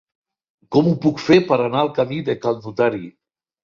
Com ho puc fer per anar al camí de Cal Notari?